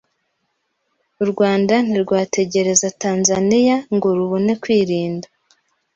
U Rwanda ntirwategereza Tanzania ngo rubone kwirinda”